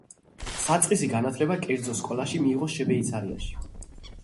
საწყისი განათლება კერძო სკოლაში მიიღო შვეიცარიაში.